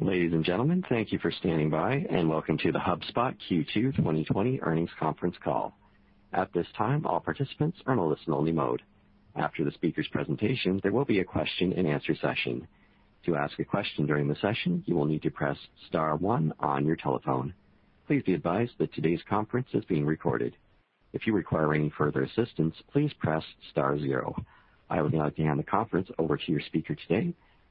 Ladies and gentlemen, thank you for standing by, and welcome to the HubSpot Q2 2020 earnings conference call. At this time, all participants are in listen-only mode. After the speakers' presentation, there will be a question-and-answer session. To ask a question during the session, you will need to press star one on your telephone. Please be advised that today's conference is being recorded. If you require any further assistance, please press star zero. I would now like to hand the conference over to your speaker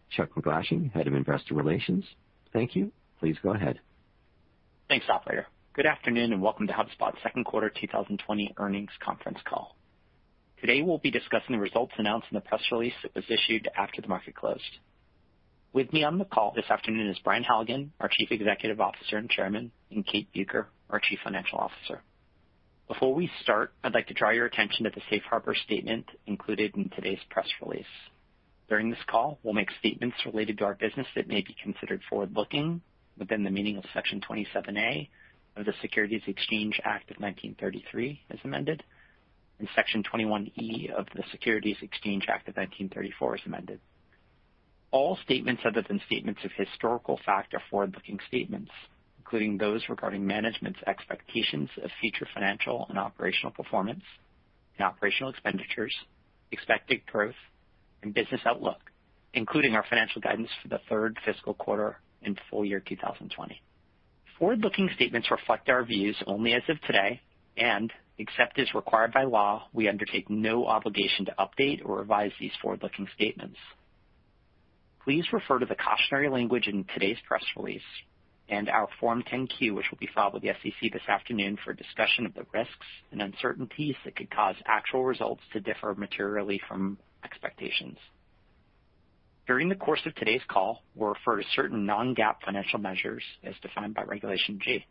today, Chuck MacGlashing, Head of Investor Relations. Thank you. Please go ahead. Thanks, operator. Good afternoon, welcome to HubSpot's second quarter 2020 earnings conference call. Today, we'll be discussing the results announced in the press release that was issued after the market closed. With me on the call this afternoon is Brian Halligan, our Chief Executive Officer and Chairman, and Kate Bueker, our Chief Financial Officer. Before we start, I'd like to draw your attention to the safe harbor statement included in today's press release. During this call, we'll make statements related to our business that may be considered forward-looking within the meaning of Section 27A of the Securities Exchange Act of 1933 as amended, and Section 21E of the Securities Exchange Act of 1934 as amended. All statements other than statements of historical fact are forward-looking statements, including those regarding management's expectations of future financial and operational performance and operational expenditures, expected growth, and business outlook, including our financial guidance for the third fiscal quarter and full year 2020. Forward-looking statements reflect our views only as of today, and except as required by law, we undertake no obligation to update or revise these forward-looking statements. Please refer to the cautionary language in today's press release and our Form 10-Q, which will be filed with the SEC this afternoon for a discussion of the risks and uncertainties that could cause actual results to differ materially from expectations. During the course of today's call, we'll refer to certain non-GAAP financial measures as defined by Regulation G.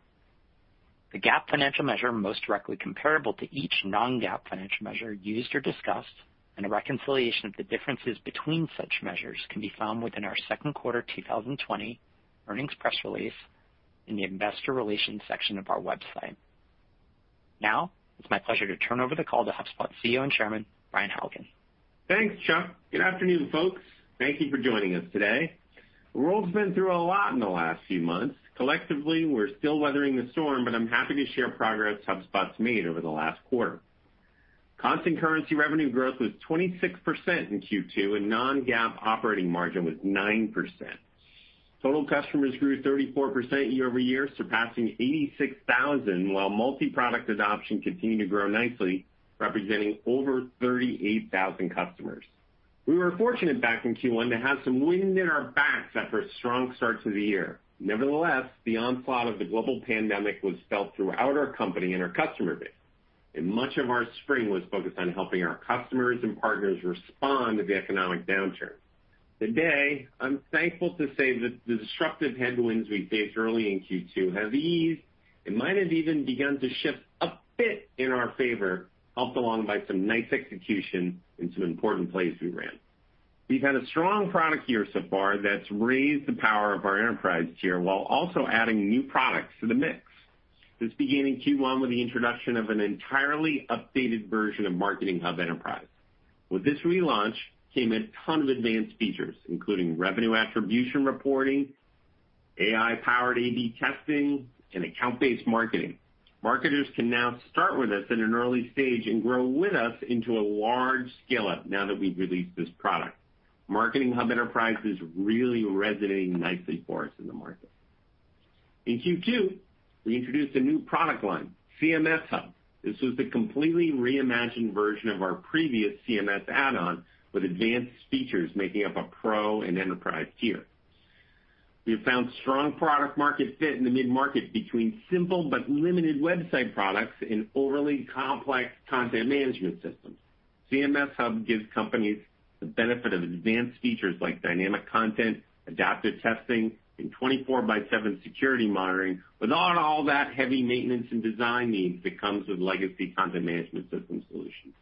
The GAAP financial measure most directly comparable to each non-GAAP financial measure used or discussed, and a reconciliation of the differences between such measures can be found within our second quarter 2020 earnings press release in the investor relations section of our website. It's my pleasure to turn over the call to HubSpot CEO and Chairman, Brian Halligan. Thanks, Chuck. Good afternoon, folks. Thank you for joining us today. The world's been through a lot in the last few months. Collectively, we're still weathering the storm, but I'm happy to share progress HubSpot's made over the last quarter. Constant currency revenue growth was 26% in Q2, and non-GAAP operating margin was 9%. Total customers grew 34% year-over-year, surpassing 86,000, while multi-product adoption continued to grow nicely, representing over 38,000 customers. We were fortunate back in Q1 to have some wind in our backs after a strong start to the year. Nevertheless, the onslaught of the global pandemic was felt throughout our company and our customer base, and much of our spring was focused on helping our customers and partners respond to the economic downturn. Today, I'm thankful to say that the disruptive headwinds we faced early in Q2 have eased and might have even begun to shift a bit in our favor, helped along by some nice execution and some important plays we ran. We've had a strong product year so far that's raised the power of our enterprise tier while also adding new products to the mix. This began in Q1 with the introduction of an entirely updated version of Marketing Hub Enterprise. With this relaunch came a ton of advanced features, including revenue attribution reporting, AI-powered A/B testing, and account-based marketing. Marketers can now start with us at an early stage and grow with us into a large scale-up now that we've released this product. Marketing Hub Enterprise is really resonating nicely for us in the market. In Q2, we introduced a new product line, CMS Hub. This was the completely reimagined version of our previous CMS add-on with advanced features making up a Pro and Enterprise tier. We have found strong product market fit in the mid-market between simple but limited website products and overly complex content management systems. CMS Hub gives companies the benefit of advanced features like dynamic content, adaptive testing, and 24/7 security monitoring, without all that heavy maintenance and design needs that comes with legacy content management system solutions.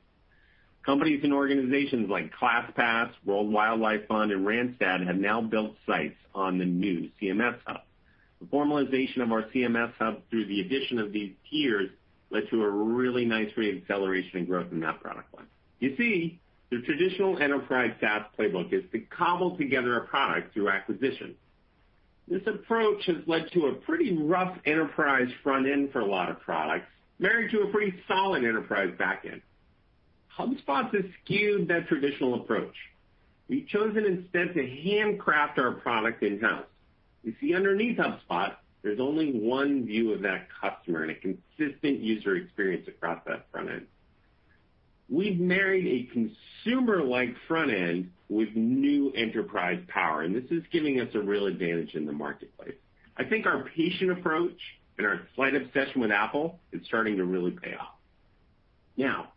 Companies and organizations like ClassPass, World Wildlife Fund, and Randstad have now built sites on the new CMS Hub. The formalization of our CMS Hub through the addition of these tiers led to a really nice re-acceleration in growth in that product line. You see, the traditional enterprise SaaS playbook is to cobble together a product through acquisition. This approach has led to a pretty rough enterprise front end for a lot of products, married to a pretty solid enterprise back end. HubSpot has skewed that traditional approach. We've chosen instead to handcraft our product in-house. You see, underneath HubSpot, there's only one view of that customer and a consistent user experience across that front end. We've married a consumer-like front end with new enterprise power, and this is giving us a real advantage in the marketplace. I think our patient approach and our slight obsession with Apple is starting to really pay off. Now,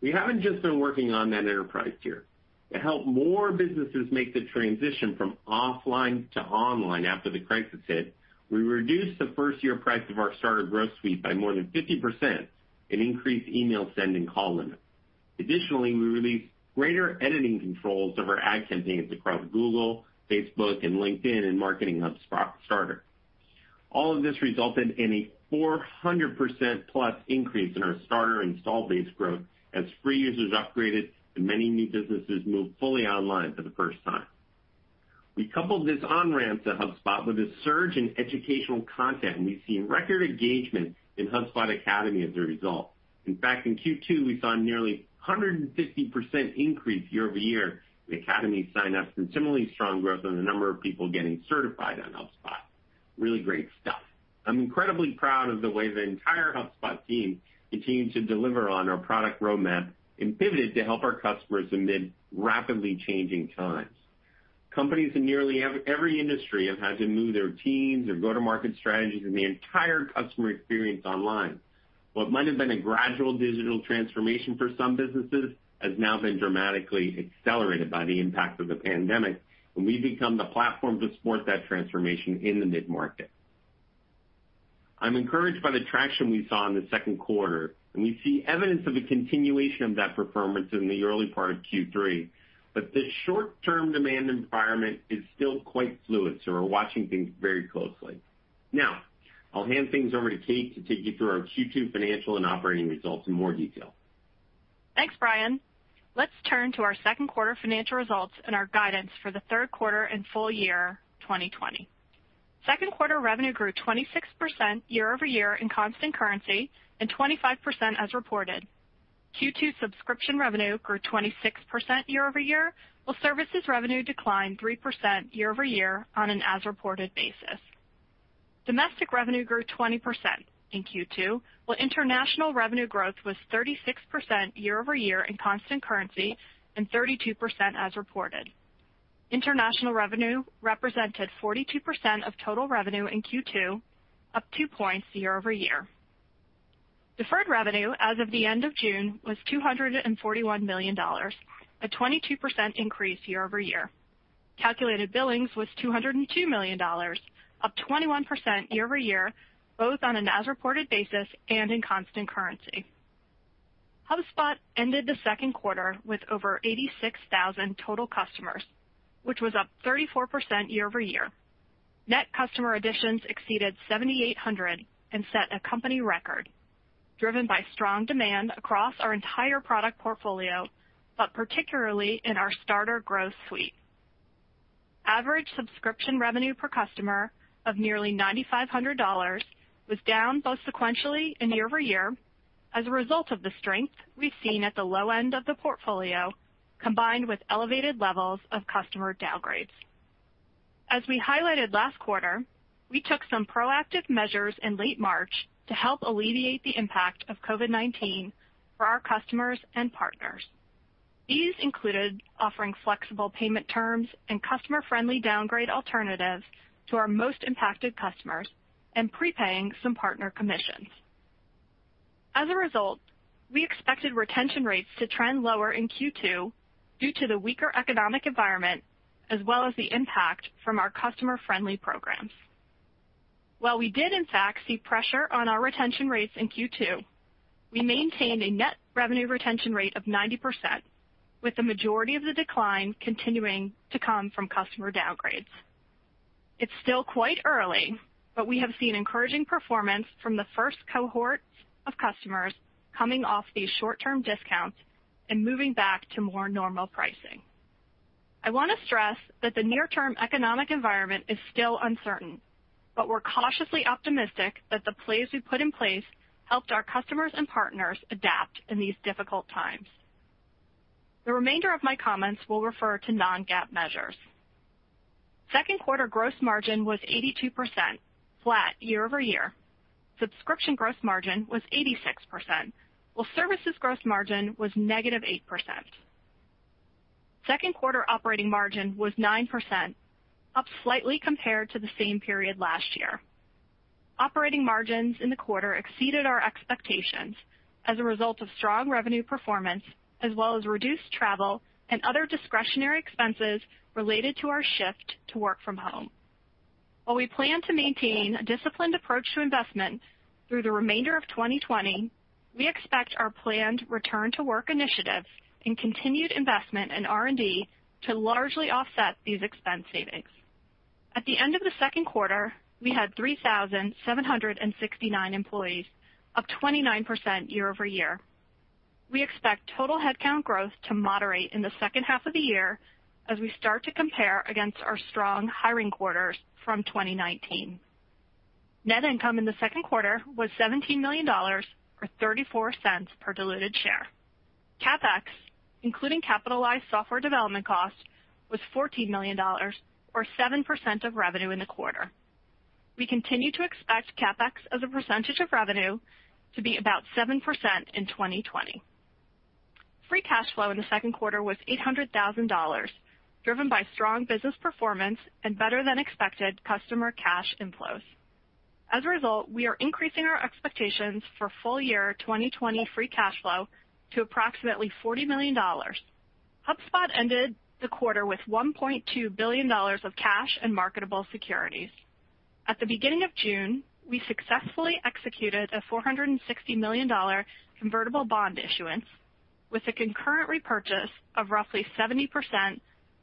we haven't just been working on that enterprise tier. To help more businesses make the transition from offline to online after the crisis hit, we reduced the first-year price of our Starter Growth Suite by more than 50% and increased email send and call limits. Additionally, we released greater editing controls of our ad campaigns across Google, Facebook, and LinkedIn in Marketing Hub Starter. All of this resulted in a 400%-plus increase in our starter installed base growth as free users upgraded and many new businesses moved fully online for the first time. We coupled this on-ramp to HubSpot with a surge in educational content, and we've seen record engagement in HubSpot Academy as a result. In fact, in Q2, we saw nearly 150% increase year-over-year in Academy sign-ups, and similarly strong growth on the number of people getting certified on HubSpot. Really great stuff. I'm incredibly proud of the way the entire HubSpot team continued to deliver on our product roadmap and pivoted to help our customers amid rapidly changing times. Companies in nearly every industry have had to move their teams, their go-to market strategies, and the entire customer experience online. What might've been a gradual digital transformation for some businesses has now been dramatically accelerated by the impact of the pandemic, and we've become the platform to support that transformation in the mid-market. I'm encouraged by the traction we saw in the second quarter, and we see evidence of a continuation of that performance in the early part of Q3. The short-term demand environment is still quite fluid, so we're watching things very closely. I'll hand things over to Kate to take you through our Q2 financial and operating results in more detail. Thanks, Brian. Let's turn to our second quarter financial results and our guidance for the third quarter and full year 2020. Second quarter revenue grew 26% year-over-year in constant currency and 25% as reported. Q2 subscription revenue grew 26% year-over-year, while services revenue declined 3% year-over-year on an as reported basis. Domestic revenue grew 20% in Q2, while international revenue growth was 36% year-over-year in constant currency and 32% as reported. International revenue represented 42% of total revenue in Q2, up two points year-over-year. Deferred revenue as of the end of June was $241 million, a 22% increase year-over-year. Calculated billings was $202 million, up 21% year-over-year, both on an as reported basis and in constant currency. HubSpot ended the second quarter with over 86,000 total customers, which was up 34% year-over-year. Net customer additions exceeded 7,800 and set a company record, driven by strong demand across our entire product portfolio, particularly in our Starter Growth Suite. Average subscription revenue per customer of nearly $9,500 was down both sequentially and year-over-year as a result of the strength we've seen at the low end of the portfolio, combined with elevated levels of customer downgrades. As we highlighted last quarter, we took some proactive measures in late March to help alleviate the impact of COVID-19 for our customers and partners. These included offering flexible payment terms and customer-friendly downgrade alternatives to our most impacted customers and prepaying some partner commissions. As a result, we expected retention rates to trend lower in Q2 due to the weaker economic environment as well as the impact from our customer-friendly programs. While we did in fact see pressure on our retention rates in Q2, we maintained a net revenue retention rate of 90% with the majority of the decline continuing to come from customer downgrades. It's still quite early, but we have seen encouraging performance from the first cohorts of customers coming off these short-term discounts and moving back to more normal pricing. I want to stress that the near-term economic environment is still uncertain, but we're cautiously optimistic that the plays we put in place helped our customers and partners adapt in these difficult times. The remainder of my comments will refer to non-GAAP measures. Second quarter gross margin was 82%, flat year-over-year. Subscription gross margin was 86%, while services gross margin was -8%. Second quarter operating margin was 9%, up slightly compared to the same period last year. Operating margins in the quarter exceeded our expectations as a result of strong revenue performance as well as reduced travel and other discretionary expenses related to our shift to work from home. While we plan to maintain a disciplined approach to investment through the remainder of 2020, we expect our planned return to work initiatives and continued investment in R&D to largely offset these expense savings. At the end of the second quarter, we had 3,769 employees, up 29% year-over-year. We expect total headcount growth to moderate in the second half of the year as we start to compare against our strong hiring quarters from 2019. Net income in the second quarter was $17 million, or $0.34 per diluted share. CapEx, including capitalized software development cost, was $14 million, or 7% of revenue in the quarter. We continue to expect CapEx as a percentage of revenue to be about 7% in 2020. Free cash flow in the second quarter was $800,000, driven by strong business performance and better-than-expected customer cash inflows. We are increasing our expectations for full year 2020 free cash flow to approximately $40 million. HubSpot ended the quarter with $1.2 billion of cash and marketable securities. At the beginning of June, we successfully executed a $460 million convertible bond issuance. With the concurrent repurchase of roughly 70%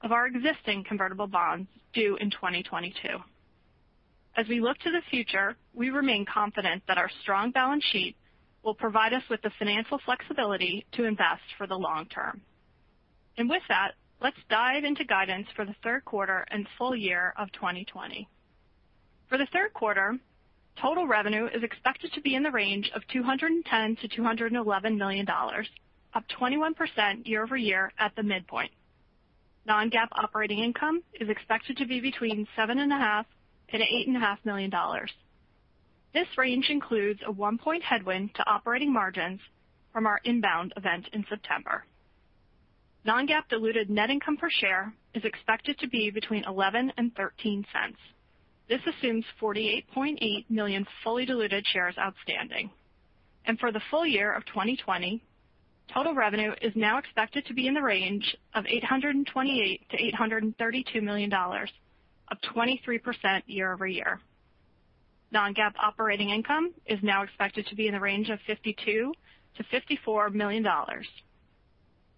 of our existing convertible bonds due in 2022. We remain confident that our strong balance sheet will provide us with the financial flexibility to invest for the long term. Let's dive into guidance for the third quarter and full year of 2020. For the third quarter, total revenue is expected to be in the range of $210 million-$211 million, up 21% year-over-year at the midpoint. Non-GAAP operating income is expected to be between $7.5 million and $8.5 million. This range includes a one-point headwind to operating margins from our INBOUND event in September. Non-GAAP diluted net income per share is expected to be between $0.11 and $0.13. This assumes 48.8 million fully diluted shares outstanding. For the full year of 2020, total revenue is now expected to be in the range of $828 million-$832 million, up 23% year-over-year. Non-GAAP operating income is now expected to be in the range of $52 million-$54 million.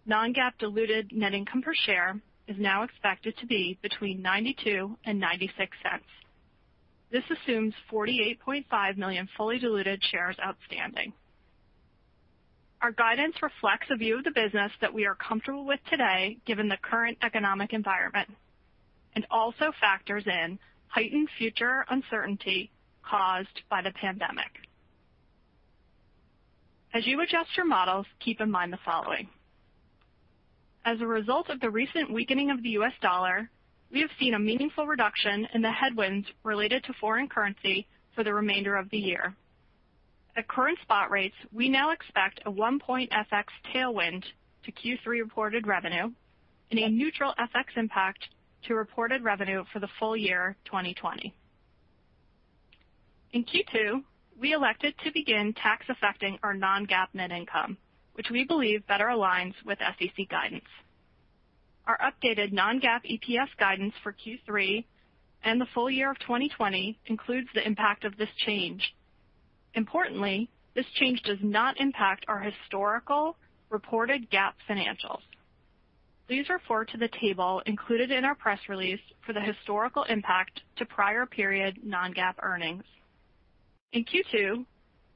Non-GAAP diluted net income per share is now expected to be between $0.92 and $0.96. This assumes 48.5 million fully diluted shares outstanding. Our guidance reflects a view of the business that we are comfortable with today, given the current economic environment, and also factors in heightened future uncertainty caused by the pandemic. As you adjust your models, keep in mind the following. As a result of the recent weakening of the U.S. dollar, we have seen a meaningful reduction in the headwinds related to foreign currency for the remainder of the year. At current spot rates, we now expect a one-point FX tailwind to Q3 reported revenue and a neutral FX impact to reported revenue for the full year 2020. In Q2, we elected to begin tax affecting our non-GAAP net income, which we believe better aligns with SEC guidance. Our updated non-GAAP EPS guidance for Q3 and the full year of 2020 includes the impact of this change. Importantly, this change does not impact our historical reported GAAP financials. Please refer to the table included in our press release for the historical impact to prior period non-GAAP earnings. In Q2,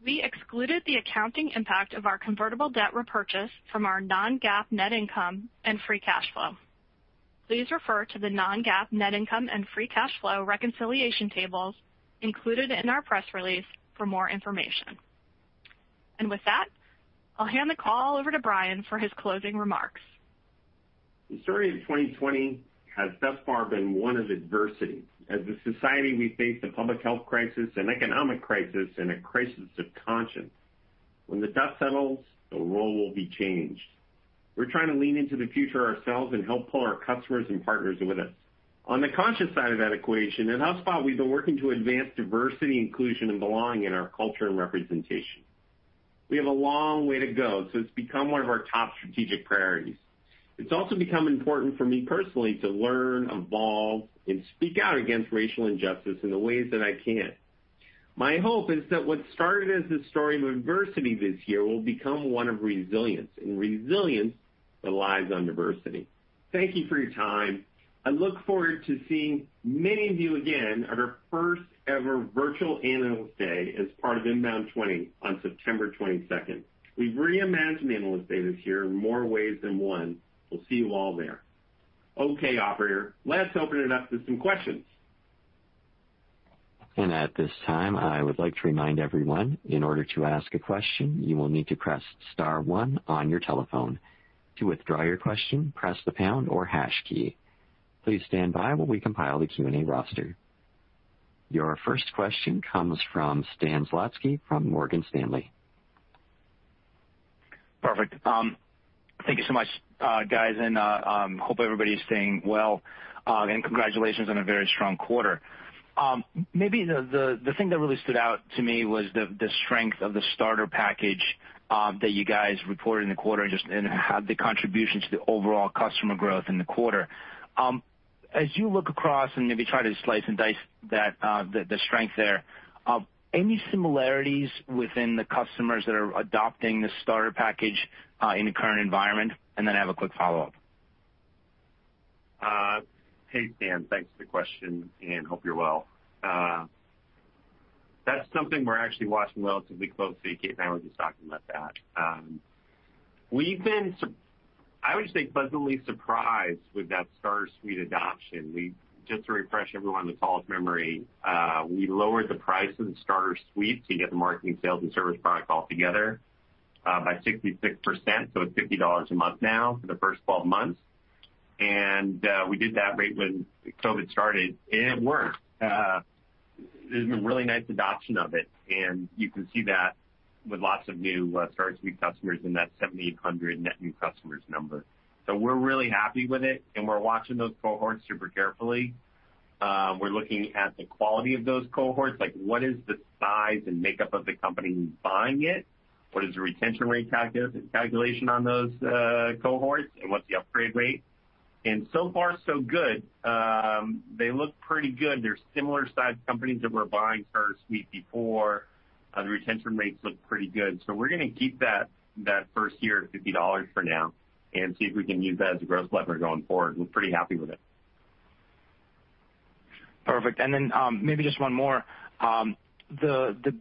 we excluded the accounting impact of our convertible debt repurchase from our non-GAAP net income and free cash flow. Please refer to the non-GAAP net income and free cash flow reconciliation tables included in our press release for more information. With that, I'll hand the call over to Brian for his closing remarks. The story of 2020 has thus far been one of adversity. As a society, we face a public health crisis, an economic crisis, and a crisis of conscience. When the dust settles, the world will be changed. We're trying to lean into the future ourselves and help pull our customers and partners with us. On the conscience side of that equation, at HubSpot, we've been working to advance diversity, inclusion, and belonging in our culture and representation. We have a long way to go, so it's become one of our top strategic priorities. It's also become important for me personally to learn, evolve, and speak out against racial injustice in the ways that I can. My hope is that what started as the story of adversity this year will become one of resilience, and resilience relies on diversity. Thank you for your time. I look forward to seeing many of you again at our first-ever virtual Analyst Day as part of INBOUND 2020 on September 22nd. We've reimagined the Analyst Day this year in more ways than one. We'll see you all there. Okay, operator, let's open it up to some questions. At this time, I would like to remind everyone, in order to ask a question, you will need to press star one on your telephone. To withdraw your question, press the pound or hash key. Please stand by while we compile the Q&A roster. Your first question comes from Stan Zlotsky from Morgan Stanley. Perfect. Thank you so much, guys. Hope everybody's staying well, and congratulations on a very strong quarter. Maybe the thing that really stood out to me was the strength of the starter package that you guys reported in the quarter and had the contribution to the overall customer growth in the quarter. As you look across and maybe try to slice and dice the strength there, any similarities within the customers that are adopting the starter package in the current environment? Then I have a quick follow-up. Hey, Stan. Thanks for the question, and hope you're well. That's something we're actually watching relatively closely. Kate and I were just talking about that. We've been, I would say, pleasantly surprised with that Starter Growth Suite adoption. Just to refresh everyone's memory, we lowered the price of the Starter Growth Suite to get the marketing, sales, and service product all together by 66%, so it's $50 a month now for the first 12 months. We did that right when COVID-19 started, and it worked. There's been really nice adoption of it, and you can see that with lots of new Starter Growth Suite customers in that 7,800 net new customers number. We're really happy with it, and we're watching those cohorts super carefully. We're looking at the quality of those cohorts, like what is the size and makeup of the company buying it? What is the retention rate calculation on those cohorts, and what's the upgrade rate? So far so good. They look pretty good. They're similar sized companies that we're buying first week before. The retention rates look pretty good. We're going to keep that first year at $50 for now and see if we can use that as a growth lever going forward. We're pretty happy with it. Perfect. Then maybe just one more. The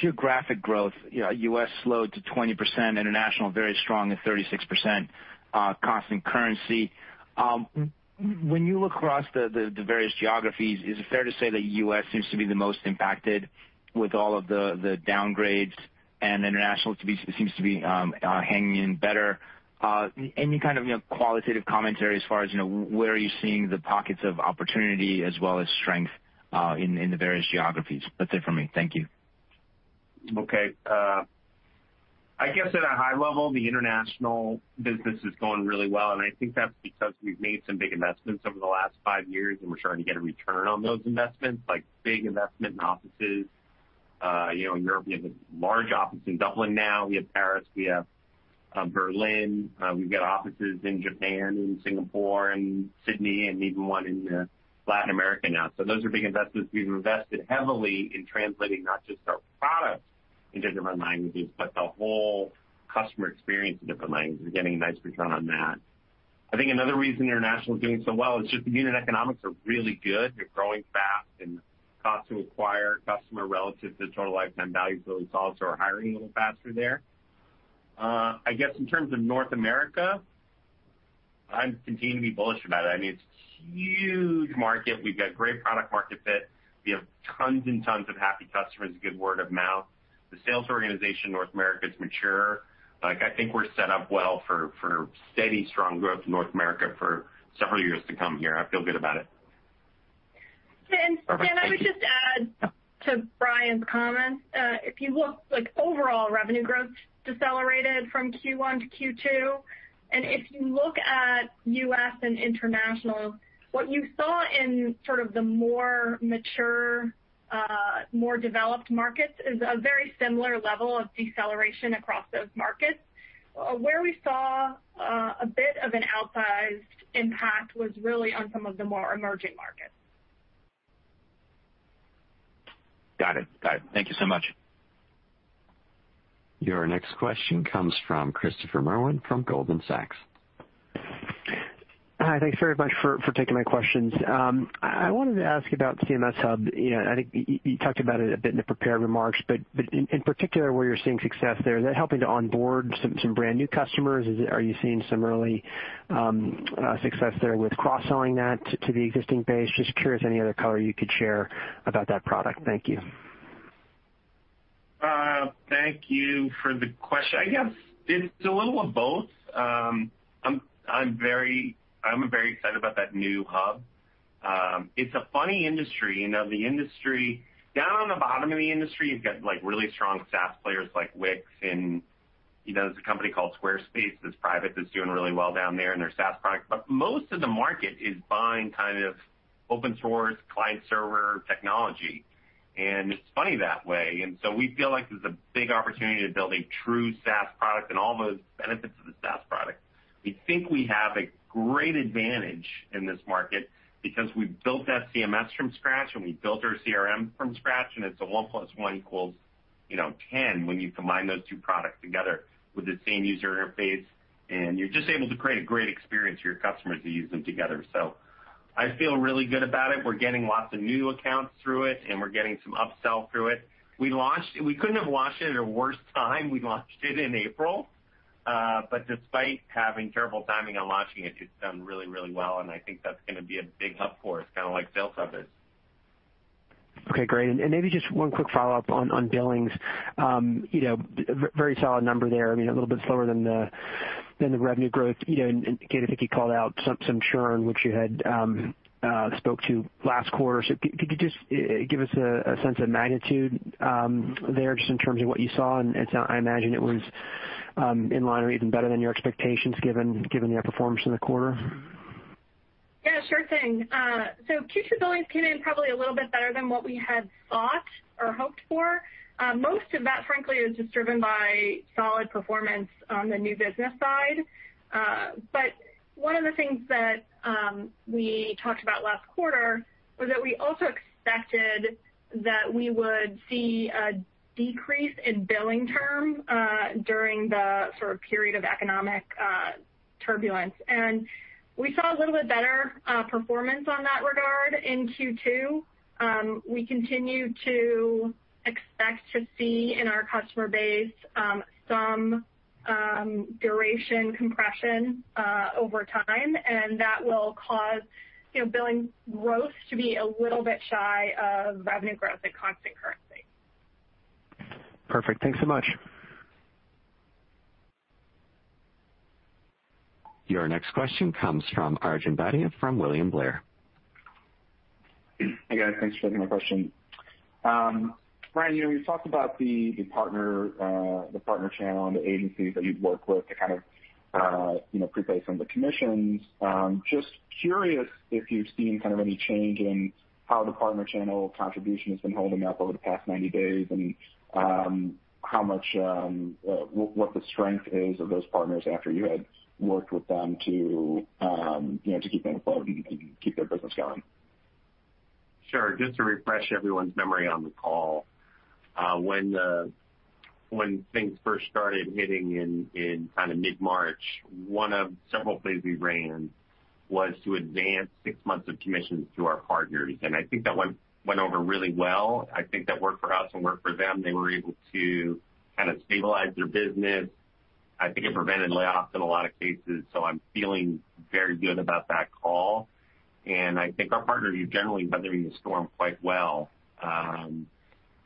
geographic growth, U.S. slowed to 20%, international very strong at 36%, constant currency. When you look across the various geographies, is it fair to say that U.S. seems to be the most impacted with all of the downgrades, and international seems to be hanging in better? Any kind of qualitative commentary as far as where are you seeing the pockets of opportunity as well as strength in the various geographies? That's it from me. Thank you. Okay. I guess at a high level, the international business is going really well, I think that's because we've made some big investments over the last five years, We're starting to get a return on those investments, like big investment in offices. In Europe, we have a large office in Dublin now. We have Paris, we have Berlin. We've got offices in Japan, and Singapore, and Sydney, and even one in Latin America now. Those are big investments. We've invested heavily in translating not just our products into different languages, but the whole customer experience in different languages. We're getting a nice return on that. I think another reason international is doing so well is just the unit economics are really good. They're growing fast and cost to acquire customer relative to total lifetime value, we can also are hiring a little faster there. I guess in terms of North America, I continue to be bullish about it. It's a huge market. We've got great product-market fit. We have tons and tons of happy customers, good word of mouth. The sales organization in North America is mature. I think we're set up well for steady, strong growth in North America for several years to come here. I feel good about it. Perfect. Thank you. I would just add to Brian's comments. If you look, overall revenue growth decelerated from Q1-Q2. If you look at U.S. and international, what you saw in sort of the more mature, more developed markets is a very similar level of deceleration across those markets. Where we saw a bit of an outsized impact was really on some of the more emerging markets. Got it. Thank you so much. Your next question comes from Christopher Merwin from Goldman Sachs. Hi. Thanks very much for taking my questions. I wanted to ask about CMS Hub. I think you talked about it a bit in the prepared remarks, but in particular, where you're seeing success there. Is that helping to onboard some brand new customers? Are you seeing some early success there with cross-selling that to the existing base? Just curious any other color you could share about that product. Thank you. Thank you for the question. I guess it's a little of both. I'm very excited about that new hub. It's a funny industry. Down on the bottom of the industry, you've got really strong SaaS players like Wix.com, and there's a company called Squarespace that's private, that's doing really well down there in their SaaS product. Most of the market is buying kind of open source client-server technology, and it's funny that way. We feel like there's a big opportunity to build a true SaaS product and all those benefits of a SaaS product. We think we have a great advantage in this market because we've built that CMS from scratch, and we've built our CRM from scratch, and it's a one plus one equals 10 when you combine those two products together with the same user interface. You're just able to create a great experience for your customers to use them together. I feel really good about it. We're getting lots of new accounts through it, and we're getting some upsell through it. We couldn't have launched it at a worse time. We launched it in April. Despite having terrible timing on launching it's done really well, and I think that's going to be a big hub for us, kind of like Sales Hub is. Okay, great. Maybe just one quick follow-up on billings. Very solid number there. A little bit slower than the revenue growth. Kate, I think you called out some churn, which you had spoke to last quarter. Could you just give us a sense of magnitude there, just in terms of what you saw? I imagine it was in line or even better than your expectations given the outperformance in the quarter. Yeah, sure thing. Q2 billings came in probably a little bit better than what we had thought or hoped for. Most of that, frankly, is just driven by solid performance on the new business side. One of the things that we talked about last quarter was that we also expected that we would see a decrease in billing term during the period of economic turbulence. We saw a little bit better performance on that regard in Q2. We continue to expect to see in our customer base some duration compression over time, and that will cause billing growth to be a little bit shy of revenue growth at constant currency. Perfect. Thanks so much. Your next question comes from Arjun Bhatia from William Blair. Hey, guys. Thanks for taking my question. Brian, you talked about the partner channel and the agencies that you've worked with to kind of pre-pay some of the commissions. Just curious if you've seen any change in how the partner channel contribution has been holding up over the past 90 days, and what the strength is of those partners after you had worked with them to keep them afloat and keep their business going. Sure. Just to refresh everyone's memory on the call, when things first started hitting in mid-March, one of several plays we ran was to advance six months of commissions to our partners. I think that went over really well. I think that worked for us and worked for them. They were able to stabilize their business. I think it prevented layoffs in a lot of cases. I'm feeling very good about that call, and I think our partners are generally weathering the storm quite well.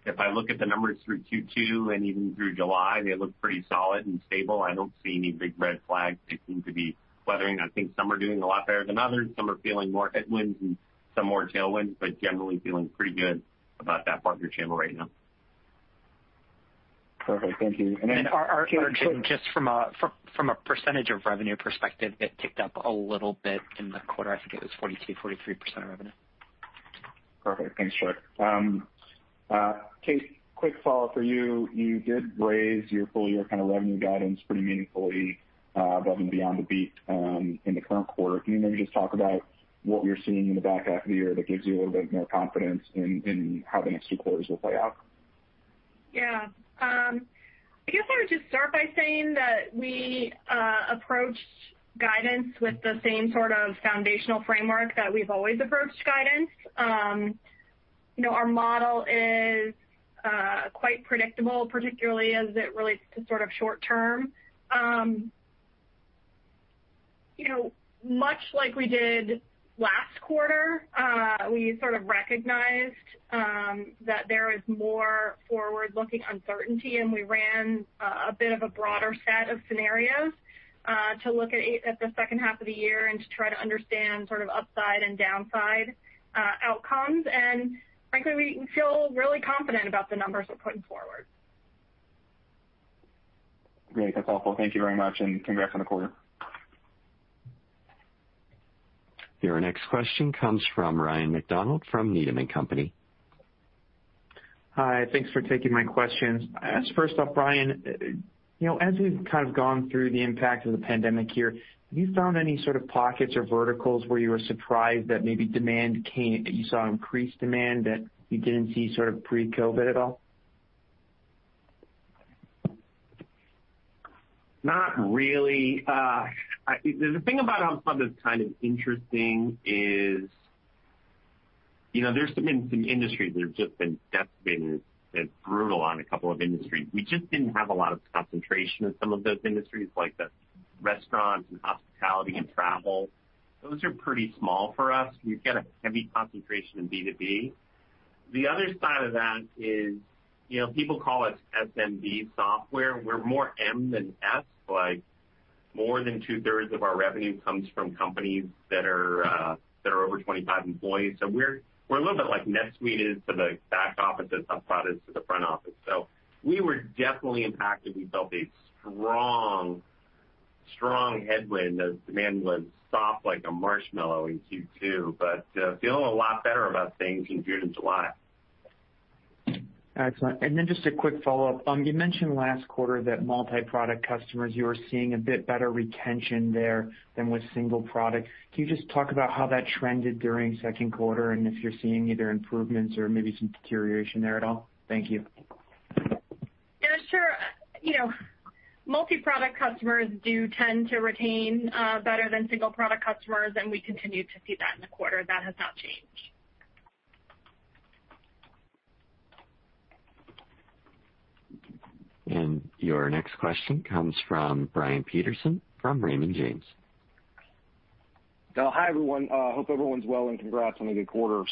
If I look at the numbers through Q2 and even through July, they look pretty solid and stable. I don't see any big red flags. They seem to be weathering. I think some are doing a lot better than others. Some are feeling more headwinds and some more tailwinds, generally feeling pretty good about that partner channel right now. Perfect. Thank you. Just from a percentage of revenue perspective, it ticked up a little bit in the quarter. I think it was 42%, 43% revenue. Perfect. Thanks, Troy. Kate, quick follow-up for you. You did raise your full-year revenue guidance pretty meaningfully, revenue beyond the beat in the current quarter. Can you maybe just talk about what you're seeing in the back half of the year that gives you a little bit more confidence in how the next two quarters will play out? Yeah. I guess I would just start by saying that we approached guidance with the same sort of foundational framework that we've always approached guidance. Our model is quite predictable, particularly as it relates to short-term. Much like we did last quarter, we recognized that there is more forward-looking uncertainty, we ran a bit of a broader set of scenarios, to look at the second half of the year and to try to understand upside and downside outcomes. Frankly, we feel really confident about the numbers we're putting forward. Great. That's all. Thank you very much, and congrats on the quarter. Your next question comes from Ryan MacDonald from Needham & Company. Hi. Thanks for taking my questions. I'll ask first off, Brian, as we've gone through the impact of the pandemic here, have you found any sort of pockets or verticals where you were surprised that maybe you saw increased demand that you didn't see pre-COVID at all? Not really. The thing about HubSpot that's kind of interesting is. There's been some industries that have just been brutal on a couple of industries. We just didn't have a lot of concentration in some of those industries, like the restaurants and hospitality and travel. Those are pretty small for us. We've got a heavy concentration in B2B. The other side of that is. People call us SMB software. We're more M than S. More than 2/3 of our revenue comes from companies that are over 25 employees. We're a little bit like NetSuite is to the back office as HubSpot is to the front office. We were definitely impacted. We felt a strong headwind as demand was soft like a marshmallow in Q2. Feeling a lot better about things in June and July. Excellent. Just a quick follow-up. You mentioned last quarter that multi-product customers, you were seeing a bit better retention there than with single product. Can you just talk about how that trended during second quarter and if you're seeing either improvements or maybe some deterioration there at all? Thank you. Yeah, sure. Multi-product customers do tend to retain better than single-product customers, and we continued to see that in the quarter. That has not changed. Your next question comes from Brian Peterson from Raymond James. Hi, everyone. Hope everyone's well, congrats on a good quarter.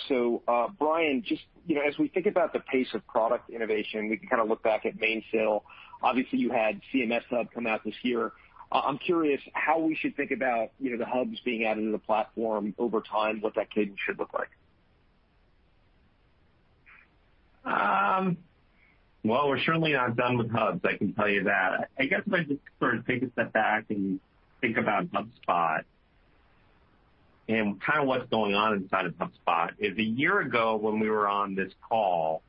Brian, just as we think about the pace of product innovation, we can look back at Mainsail. Obviously, you had CMS Hub come out this year. I'm curious how we should think about the hubs being added to the platform over time, what that cadence should look like. Well, we're certainly not done with hubs, I can tell you that. I guess if I just take a step back and think about HubSpot and what's going on inside of HubSpot is, a year ago, when we were on this call,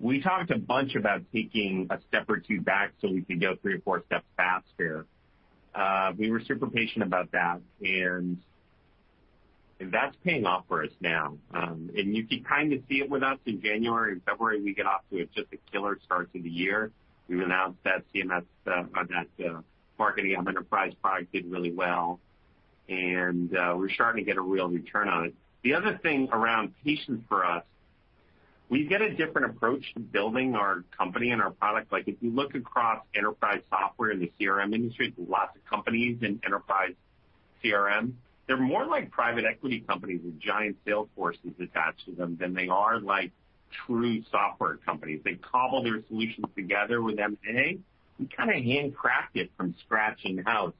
we talked a bunch about taking a step or two back so we could go three or four steps faster. We were super patient about that, and that's paying off for us now. You can see it with us in January and February. We get off to just a killer start to the year. We've announced that Marketing Hub Enterprise product did really well, and we're starting to get a real return on it. The other thing around patience for us, we've got a different approach to building our company and our product. If you look across enterprise software in the CRM industry, there's lots of companies in enterprise CRM. They're more like private equity companies with giant sales forces attached to them than they are like true software companies. They cobble their solutions together with M&A. We kind of handcraft it from scratch in-house.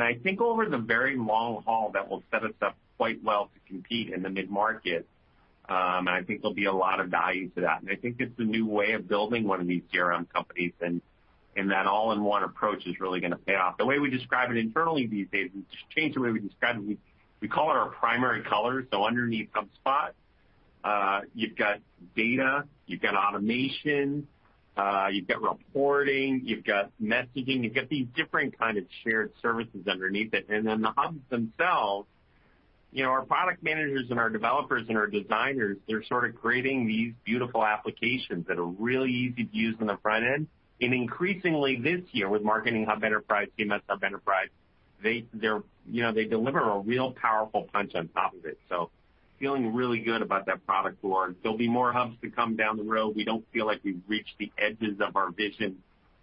I think over the very long haul, that will set us up quite well to compete in the mid-market, and I think there'll be a lot of value to that. I think it's the new way of building one of these CRM companies, and that all-in-one approach is really going to pay off. The way we describe it internally these days, we've changed the way we describe it. We call it our primary color. Underneath HubSpot, you've got data, you've got automation, you've got reporting, you've got messaging. You've got these different kind of shared services underneath it. Then the hubs themselves, our product managers and our developers and our designers, they're sort of creating these beautiful applications that are really easy to use on the front end. Increasingly this year with Marketing Hub Enterprise, CMS Hub Enterprise, they deliver a real powerful punch on top of it. Feeling really good about that product forward. There'll be more hubs to come down the road. We don't feel like we've reached the edges of our vision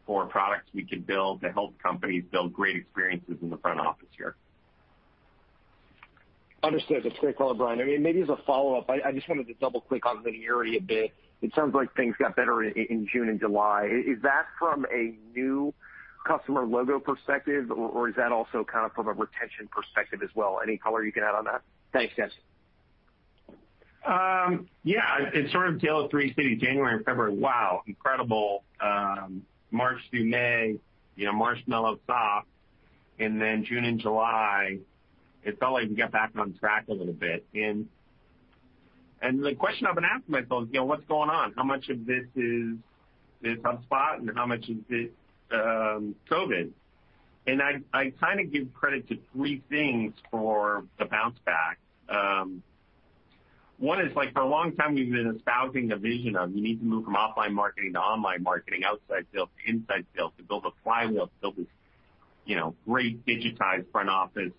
for products we can build to help companies build great experiences in the front office here. Understood. That's a great call, Brian. Maybe as a follow-up, I just wanted to double-click on linearity a bit. It sounds like things got better in June and July. Is that from a new customer logo perspective, or is that also kind of from a retention perspective as well? Any color you can add on that? Thanks, guys. Yeah. It's sort of tale of three cities. January and February, wow, incredible. March through May, marshmallow soft, then June and July, it felt like we got back on track a little bit. The question I've been asking myself is, what's going on? How much of this is HubSpot and how much is it COVID? I kind of give credit to three things for the bounce back. One is like for a long time, we've been espousing the vision of you need to move from offline marketing to online marketing, outside sales to inside sales, to build a flywheel, to build this great digitized front office,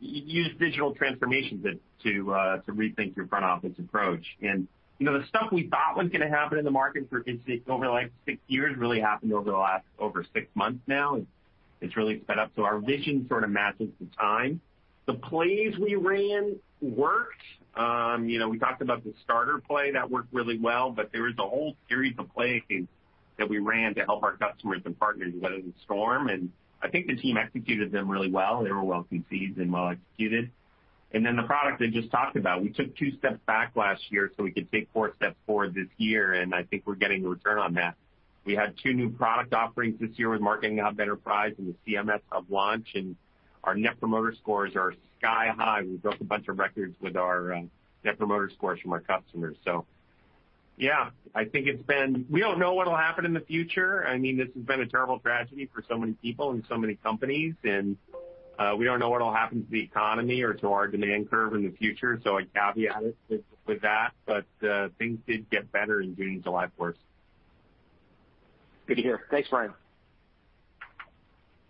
use digital transformation to rethink your front office approach. The stuff we thought was going to happen in the market over six years really happened over the last six months now. It's really sped up. Our vision sort of matches the time. The plays we ran worked. We talked about the starter play. That worked really well, but there was a whole series of plays that we ran to help our customers and partners weather the storm, and I think the team executed them really well. They were well conceived and well executed. The product I just talked about, we took two steps back last year so we could take four steps forward this year, and I think we're getting a return on that. We had two new product offerings this year with Marketing Hub Enterprise and the CMS Hub launch, and our net promoter scores are sky high. We broke a bunch of records with our net promoter scores from our customers. Yeah, we don't know what'll happen in the future. This has been a terrible tragedy for so many people and so many companies, and we don't know what'll happen to the economy or to our demand curve in the future. I caveat it with that. Things did get better in June and July for us. Good to hear. Thanks, Brian.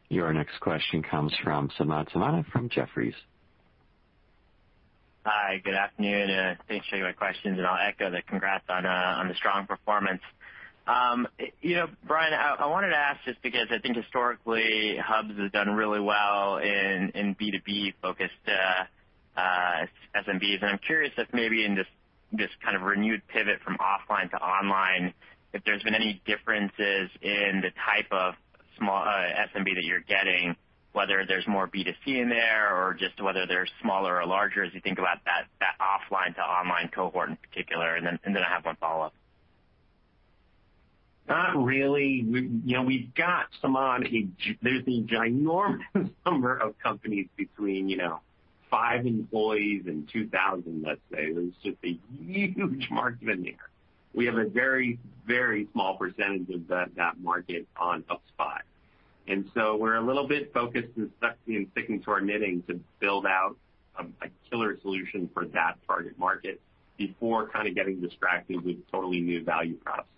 Your next question comes from Samad Samana from Jefferies. Hi, good afternoon. Thanks for taking my questions, and I'll echo the congrats on the strong performance. Brian, I wanted to ask, just because I think historically hubs have done really well in B2B-focused SMBs, and I'm curious if maybe in this kind of renewed pivot from offline to online, if there's been any differences in the type of SMB that you're getting, whether there's more B2C in there, or just whether they're smaller or larger as you think about that offline to online cohort in particular, and then I have one follow-up. Not really. We've got, Samad, there's a ginormous number of companies between five employees and 2,000, let's say. There's just a huge market in there. We have a very, very small percentage of that market on HubSpot. We're a little bit focused and sticking to our knitting to build out a killer solution for that target market before kind of getting distracted with totally new value props.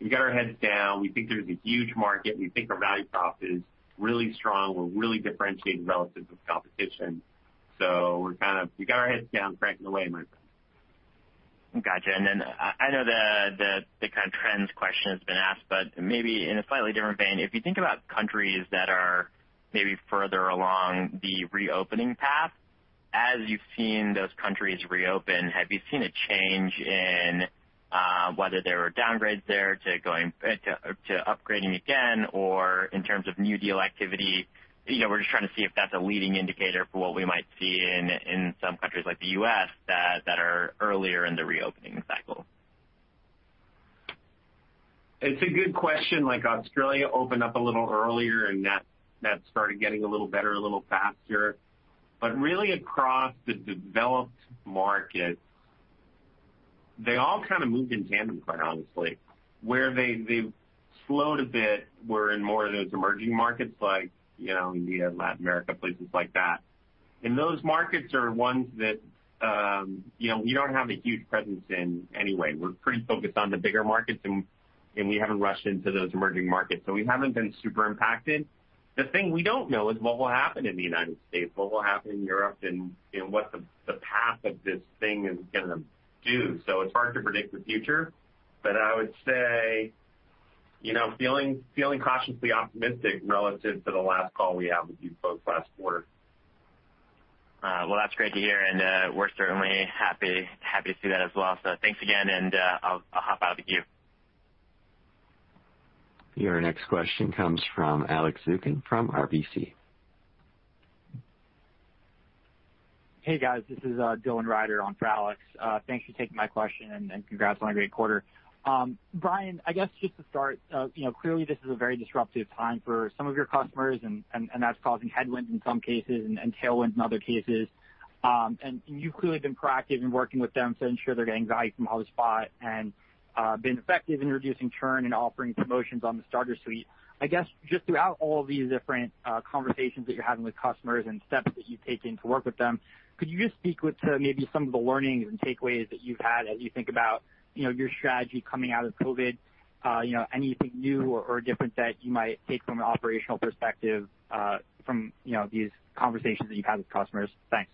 We've got our heads down. We think there's a huge market. We think our value prop is really strong. We're really differentiated relative to the competition. We've got our heads down cranking away, my friend. Gotcha. I know the kind of trends question has been asked, but maybe in a slightly different vein, if you think about countries that are maybe further along the reopening path, as you've seen those countries reopen, have you seen a change in whether there are downgrades there to upgrading again, or in terms of new deal activity? We're just trying to see if that's a leading indicator for what we might see in some countries like the U.S. that are earlier in the reopening cycle. It's a good question. Like Australia opened up a little earlier, and that started getting a little better a little faster. Really, across the developed markets, they all kind of moved in tandem, quite honestly. Where they've slowed a bit were in more of those emerging markets like India, Latin America, places like that. Those markets are ones that we don't have a huge presence in anyway. We're pretty focused on the bigger markets, and we haven't rushed into those emerging markets, so we haven't been super impacted. The thing we don't know is what will happen in the United States, what will happen in Europe, and what the path of this thing is going to do. It's hard to predict the future, but I would say, feeling cautiously optimistic relative to the last call we had with you both last quarter. Well, that's great to hear, and we're certainly happy to see that as well. Thanks again, and I'll hop out of the queue. Your next question comes from Alex Zukin from RBC. Hey, guys, this is Dylan Reider on for Alex Zukin. Thanks for taking my question. Congrats on a great quarter. Brian, I guess just to start, clearly this is a very disruptive time for some of your customers, and that's causing headwinds in some cases and tailwinds in other cases. You've clearly been proactive in working with them to ensure they're getting value from HubSpot and being effective in reducing churn and offering promotions on the Starter Suite. I guess, just throughout all of these different conversations that you're having with customers and steps that you're taking to work with them, could you just speak to maybe some of the learnings and takeaways that you've had as you think about your strategy coming out of COVID? Anything new or different that you might take from an operational perspective from these conversations that you've had with customers? Thanks.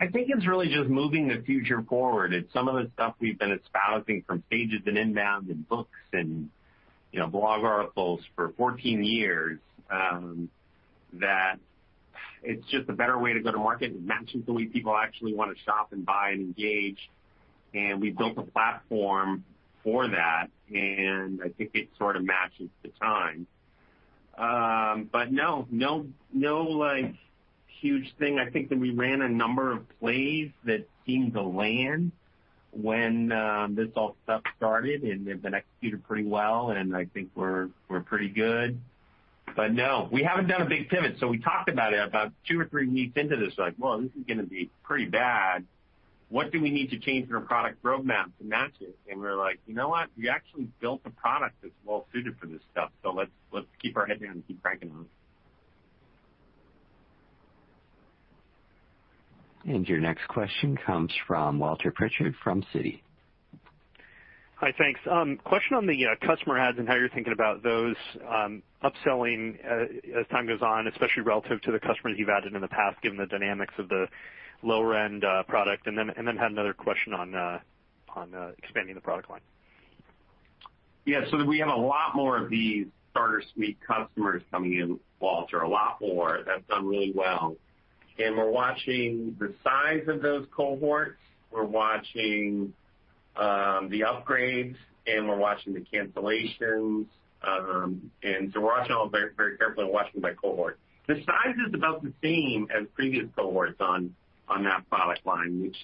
I think it's really just moving the future forward. It's some of the stuff we've been espousing from stages and INBOUND and books and blog articles for 14 years, that it's just a better way to go to market. It matches the way people actually want to shop and buy and engage, and we've built a platform for that, and I think it sort of matches the time. No huge thing. I think that we ran a number of plays that seemed to land when this all stuff started, and they've been executed pretty well, and I think we're pretty good. No, we haven't done a big pivot. We talked about it about two or three weeks into this, like, "Well, this is going to be pretty bad. What do we need to change in our product roadmap to match it?" We were like, "You know what? We actually built a product that's well-suited for this stuff, so let's keep our head down and keep cranking on it. Your next question comes from Walter Pritchard from Citi. Hi, thanks. Question on the customer adds and how you're thinking about those upselling as time goes on, especially relative to the customers you've added in the past, given the dynamics of the lower-end product. I had another question on expanding the product line. We have a lot more of these Starter Suite customers coming in, Walter, a lot more. That's done really well. We're watching the size of those cohorts, we're watching the upgrades, and we're watching the cancellations. We're watching all very carefully and watching by cohort. The size is about the same as previous cohorts on that product line, which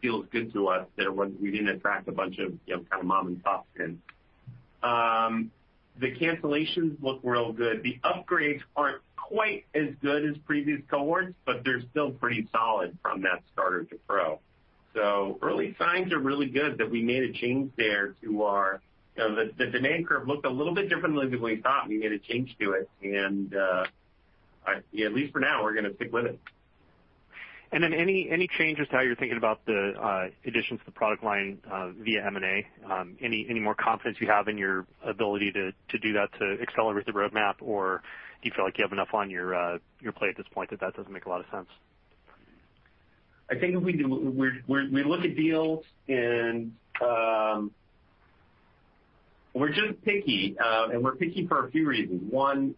feels good to us that we didn't attract a bunch of kind of mom-and-pops in. The cancellations look real good. The upgrades aren't quite as good as previous cohorts, but they're still pretty solid from that Starter to Pro. Early signs are really good that we made a change there to our The demand curve looked a little bit differently than we thought, and we made a change to it. At least for now, we're going to stick with it. Any changes to how you're thinking about the additions to the product line via M&A? Any more confidence you have in your ability to do that to accelerate the roadmap, or do you feel like you have enough on your plate at this point that that doesn't make a lot of sense? I think we look at deals, we're just picky, and we're picky for a few reasons. One,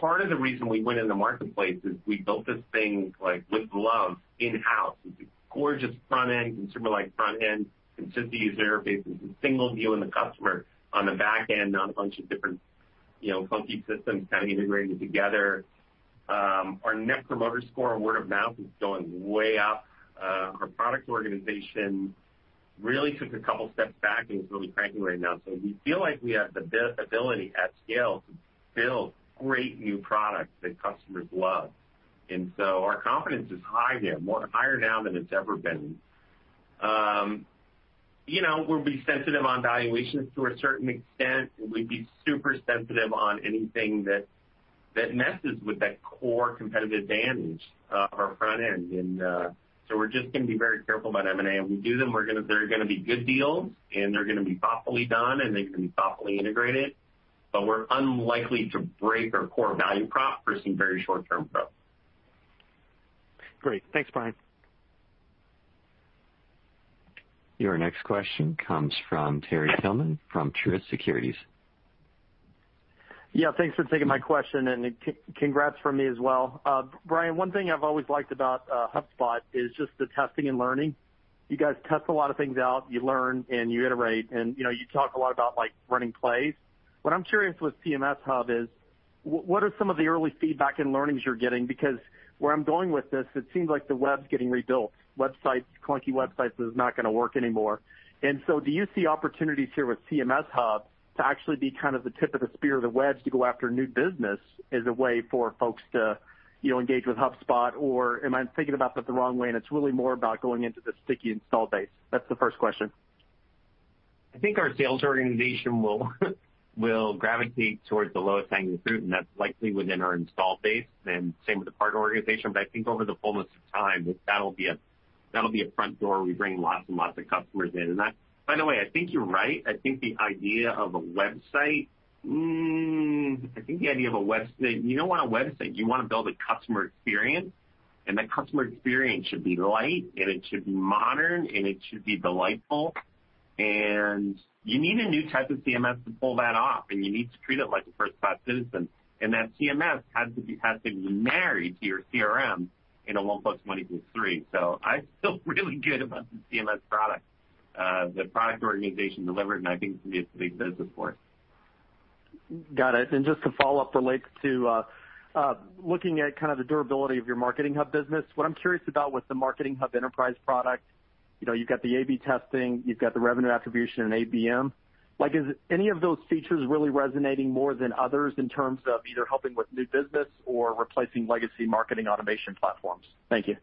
part of the reason we went in the marketplace is we built this thing with love in-house. It's a gorgeous front end, consumer-like front end, consistent user base. It's a single view on the customer on the back end, not a bunch of different clunky systems kind of integrated together. Our Net Promoter Score and word of mouth is going way up. Our product organization really took a couple steps back and is really cranking right now. We feel like we have the ability at scale to build great new products that customers love. Our confidence is high there, higher now than it's ever been. We'll be sensitive on valuations to a certain extent. We'd be super sensitive on anything that messes with that core competitive advantage of our front end. We're just going to be very careful about M&A, and if we do them, they're going to be good deals, and they're going to be thoughtfully done, and they can be thoughtfully integrated, but we're unlikely to break our core value prop for some very short-term growth. Great. Thanks, Brian. Your next question comes from Terry Tillman from Truist Securities. Thanks for taking my question, congrats from me as well. Brian, one thing I've always liked about HubSpot is just the testing and learning. You guys test a lot of things out, you learn, you iterate, you talk a lot about running plays. What I'm curious with CMS Hub is, what are some of the early feedback and learnings you're getting? Where I'm going with this, it seems like the web's getting rebuilt. Clunky websites is not going to work anymore. Do you see opportunities here with CMS Hub to actually be kind of the tip of the spear of the wedge to go after new business as a way for folks to engage with HubSpot? Am I thinking about that the wrong way, it's really more about going into the sticky install base? That's the first question. I think our sales organization will gravitate towards the lowest hanging fruit, and that's likely within our install base, and same with the partner organization. I think over the fullness of time, that'll be a front door where we bring lots and lots of customers in. By the way, I think you're right. You don't want a website, you want to build a customer experience, and that customer experience should be light, and it should be modern, and it should be delightful. You need a new type of CMS to pull that off, and you need to treat it like a first-class citizen, and that CMS has to be married to your CRM in a one plus one equals three. I feel really good about the CMS product the product organization delivered, and I think it can be a big business for us. Got it. Just to follow up related to looking at the durability of your Marketing Hub business, what I'm curious about with the Marketing Hub Enterprise product, you've got the A/B testing, you've got the revenue attribution and ABM. Is any of those features really resonating more than others in terms of either helping with new business or replacing legacy marketing automation platforms? Thank you.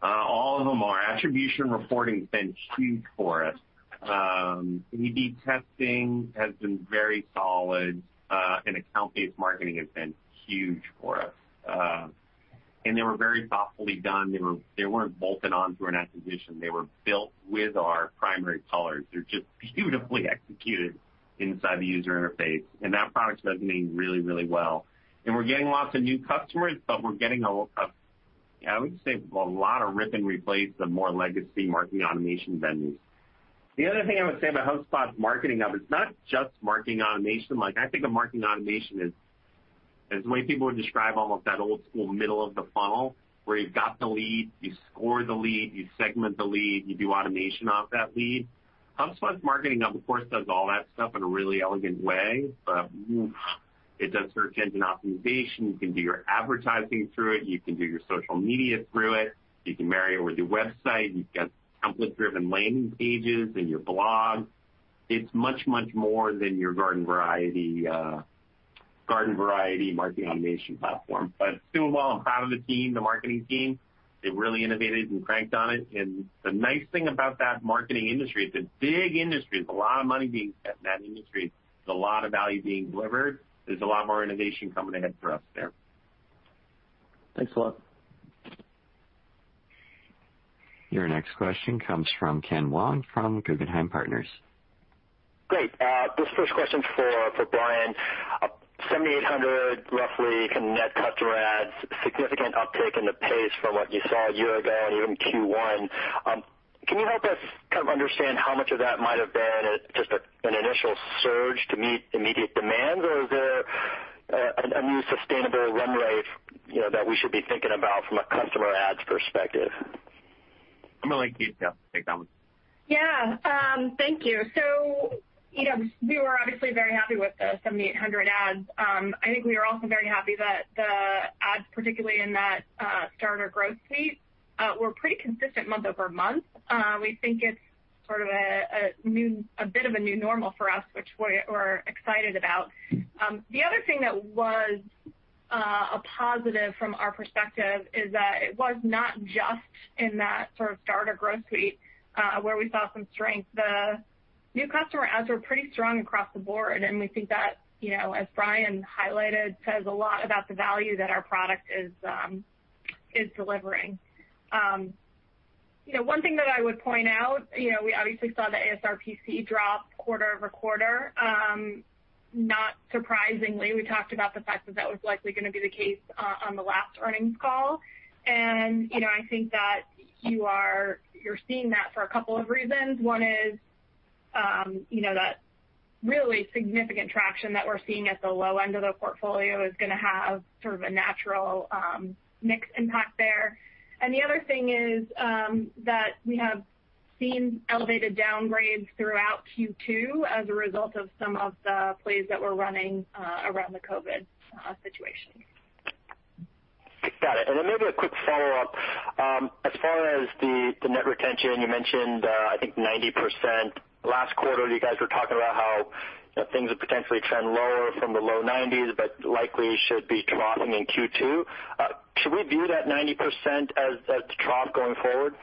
All of them are. Attribution reporting has been huge for us. A/B testing has been very solid. Account-based marketing has been huge for us. They were very thoughtfully done. They weren't bolted onto an acquisition. They were built with our primary colors. They're just beautifully executed inside the user interface. That product's resonating really, really well. We're getting lots of new customers. We're getting, I would say, a lot of rip and replace the more legacy marketing automation vendors. The other thing I would say about HubSpot's Marketing Hub, it's not just marketing automation. I think of marketing automation as the way people would describe almost that old school, middle of the funnel, where you've got the lead, you score the lead, you segment the lead, you do automation off that lead. HubSpot's Marketing Hub, of course, does all that stuff in a really elegant way. It does search engine optimization. You can do your advertising through it. You can do your social media through it. You can marry it with your website. You've got template-driven landing pages in your blog. It's much, much more than your garden-variety marketing automation platform. It's doing well. I'm proud of the team, the marketing team. They really innovated and cranked on it. The nice thing about that marketing industry, it's a big industry. There's a lot of money being spent in that industry. There's a lot of value being delivered. There's a lot more innovation coming ahead for us there. Thanks a lot. Your next question comes from Ken Wong from Guggenheim Partners. Great. This first question is for Brian. 7,800, roughly, net customer adds, significant uptick in the pace from what you saw a year ago and even Q1. Can you help us understand how much of that might have been just an initial surge to meet immediate demands? Or is there a new sustainable run rate that we should be thinking about from a customer adds perspective? I'm going to let Kate take that one. Yeah. Thank you. We were obviously very happy with the 7,800 adds. I think we were also very happy that the adds, particularly in that Starter Growth Suite, were pretty consistent month-over-month. We think it's sort of a bit of a new normal for us, which we're excited about. The other thing that was a positive from our perspective is that it was not just in that sort of Starter Growth Suite, where we saw some strength. The new customer adds were pretty strong across the board, and we think that, as Brian highlighted, says a lot about the value that our product is delivering. One thing that I would point out, we obviously saw the ASRPC drop quarter-over-quarter. Not surprisingly, we talked about the fact that that was likely going to be the case on the last earnings call. I think that you're seeing that for a couple of reasons. One is, that really significant traction that we're seeing at the low end of the portfolio is going to have sort of a natural mix impact there. The other thing is that we have seen elevated downgrades throughout Q2 as a result of some of the plays that we're running around the COVID situation. Got it. Maybe a quick follow-up. As far as the net retention, you mentioned, I think, 90%. Last quarter, you guys were talking about how things would potentially trend lower from the low 90s, but likely should be troughing in Q2. Should we view that 90% as the trough going forward?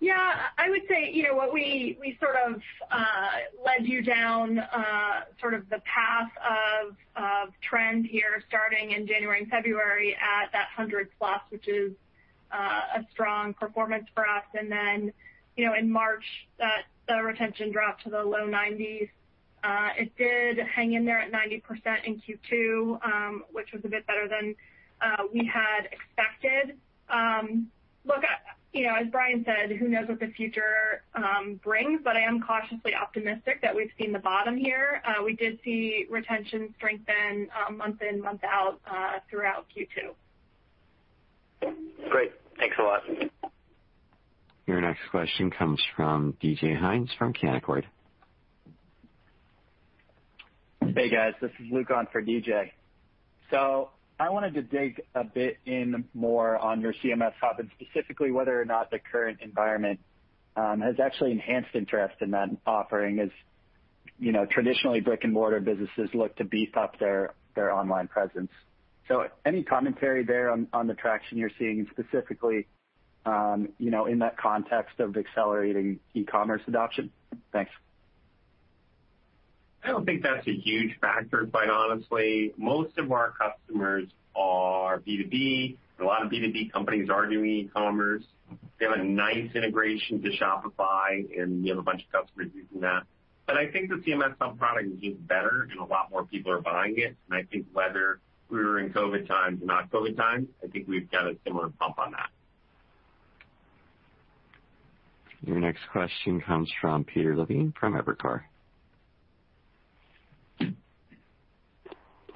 Yeah, I would say, what we sort of led you down the path of trend here, starting in January and February at that 100+, which is a strong performance for us. In March, the retention dropped to the low 90s. It did hang in there at 90% in Q2, which was a bit better than we had expected. Look, as Brian said, who knows what the future brings, but I am cautiously optimistic that we've seen the bottom here. We did see retention strengthen month in, month out, throughout Q2. Great. Thanks a lot. Your next question comes from DJ Hynes from Canaccord. Hey, guys. This is Luke on for DJ. I wanted to dig a bit in more on your CMS Hub, and specifically whether or not the current environment has actually enhanced interest in that offering, as traditionally brick-and-mortar businesses look to beef up their online presence. Any commentary there on the traction you're seeing and specifically, in that context of accelerating e-commerce adoption? Thanks. I don't think that's a huge factor, quite honestly. Most of our customers are B2B, and a lot of B2B companies are doing e-commerce. We have a nice integration to Shopify, and we have a bunch of customers using that. I think the CMS Hub product is getting better, and a lot more people are buying it. I think whether we were in COVID times or not COVID times, I think we've got a similar bump on that. Your next question comes from Peter Levine from Evercore.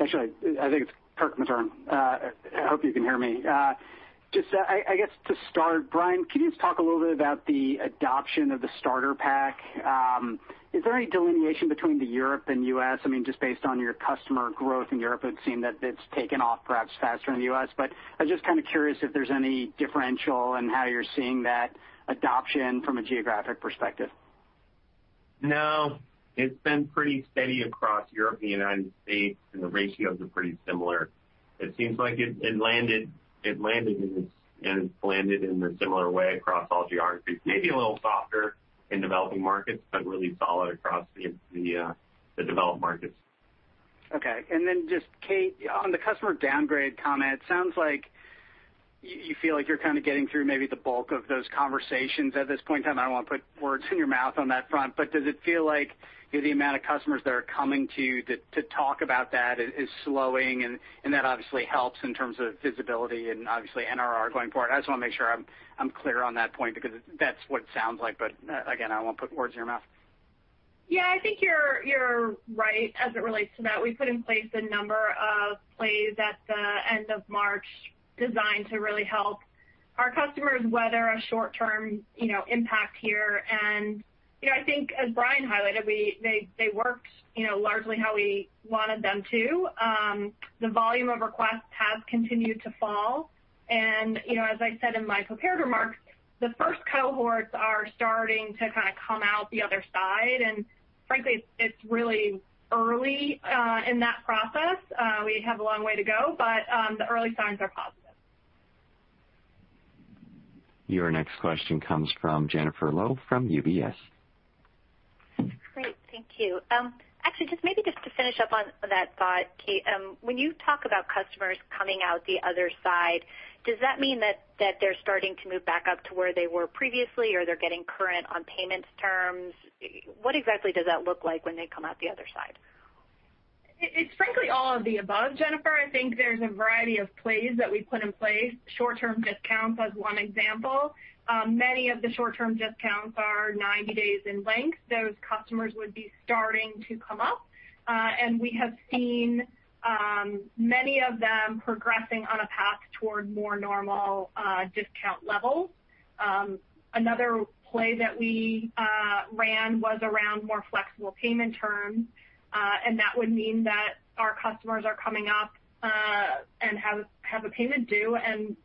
Actually, I think it's Kirk Materne. I hope you can hear me. I guess to start, Brian, could you just talk a little bit about the adoption of the starter pack? Is there any delineation between the Europe and U.S.? Just based on your customer growth in Europe, it would seem that it's taken off perhaps faster than the U.S., but I'm just kind of curious if there's any differential in how you're seeing that adoption from a geographic perspective. No, it's been pretty steady across Europe and the United States. The ratios are pretty similar. It seems like it's landed in a similar way across all geographies. Maybe a little softer in developing markets. Really solid across the developed markets. Okay. Just Kate, on the customer downgrade comment, sounds like you feel like you're kind of getting through maybe the bulk of those conversations at this point in time. I don't want to put words in your mouth on that front. Does it feel like the amount of customers that are coming to you to talk about that is slowing, and that obviously helps in terms of visibility and obviously NRR going forward? I just want to make sure I'm clear on that point, because that's what it sounds like. Again, I won't put words in your mouth. Yeah, I think you're right as it relates to that. We put in place a number of plays at the end of March designed to really help our customers weather a short-term impact here. I think as Brian highlighted, they worked largely how we wanted them to. The volume of requests has continued to fall. As I said in my prepared remarks, the first cohorts are starting to kind of come out the other side, and frankly, it's really early in that process. We have a long way to go, the early signs are positive. Your next question comes from Jennifer Lowe from UBS. Great. Thank you. Actually, just maybe just to finish up on that thought, Kate, when you talk about customers coming out the other side, does that mean that they're starting to move back up to where they were previously, or they're getting current on payments terms? What exactly does that look like when they come out the other side? It's frankly all of the above, Jennifer. I think there's a variety of plays that we've put in place. Short-term discounts was one example. Many of the short-term discounts are 90 days in length. Those customers would be starting to come up. We have seen many of them progressing on a path toward more normal discount levels. Another play that we ran was around more flexible payment terms, and that would mean that our customers are coming up, and have a payment due, and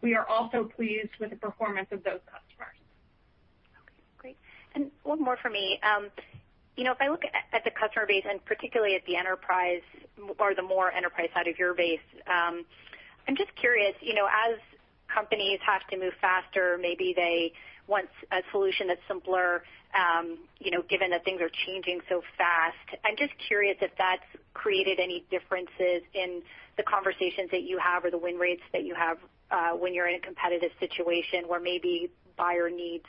we are also pleased with the performance of those customers. Okay, great. One more from me. If I look at the customer base, and particularly at the enterprise or the more enterprise side of your base, I'm just curious, as companies have to move faster, maybe they want a solution that's simpler, given that things are changing so fast. I'm just curious if that's created any differences in the conversations that you have or the win rates that you have, when you're in a competitive situation where maybe buyer needs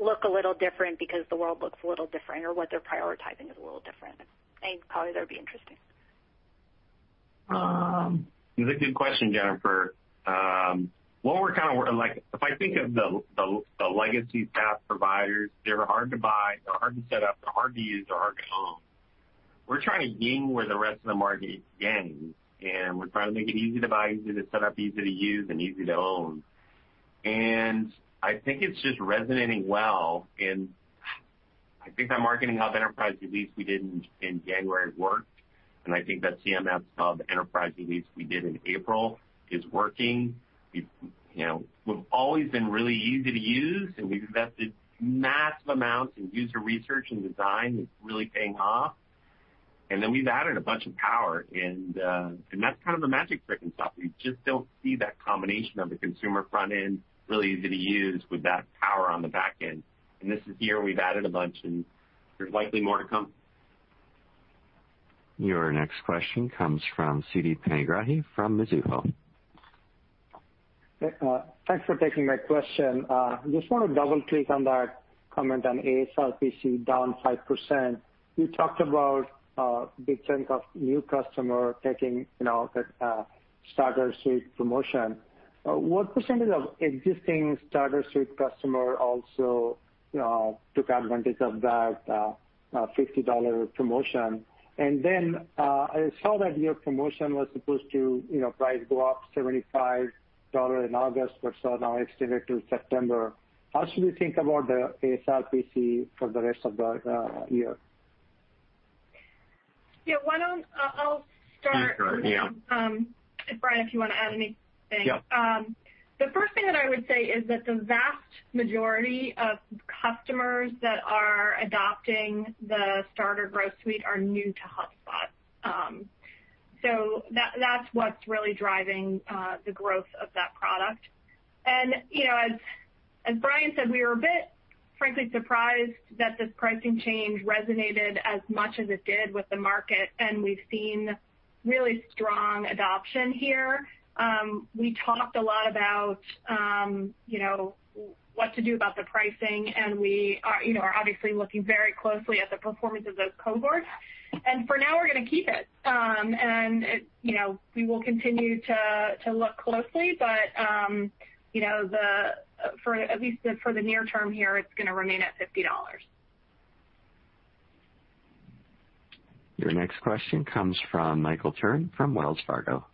look a little different because the world looks a little different or what they're prioritizing is a little different. I think probably that'd be interesting. It's a good question, Jennifer. If I think of the legacy SaaS providers, they're hard to buy, they're hard to set up, they're hard to use, they're hard to own. We're trying to ying where the rest of the market yangs, we're trying to make it easy to buy, easy to set up, easy to use, and easy to own. I think it's just resonating well, I think that Marketing Hub Enterprise release we did in January worked, I think that CMS Hub Enterprise release we did in April is working. We've always been really easy to use, we've invested massive amounts in user research and design. It's really paying off. We've added a bunch of power, that's kind of the magic trick and stuff. You just don't see that combination of the consumer front end, really easy to use with that power on the back end. This is year we've added a bunch, and there's likely more to come. Your next question comes from Siti Panigrahi from Mizuho. Thanks for taking my question. Just want to double-click on that comment on ASRPC down 5%. You talked about the trend of new customer taking that starter suite promotion. What percentage of existing starter suite customer also took advantage of that $50 promotion? I saw that your promotion was supposed to price go up $75 in August, but saw now extended till September. How should we think about the ASRPC for the rest of the year? Yeah. I'll start. You start, yeah. Brian, if you want to add anything. Yeah. The first thing that I would say is that the vast majority of customers that are adopting the Starter Growth Suite are new to HubSpot. That's what's really driving the growth of that product. As Brian said, we were a bit, frankly, surprised that this pricing change resonated as much as it did with the market, and we've seen really strong adoption here. We talked a lot about what to do about the pricing, and we are obviously looking very closely at the performance of those cohorts. For now, we're going to keep it. We will continue to look closely, For at least the near term here, it's going to remain at $50. Your next question comes from Michael Turrin from Wells Fargo.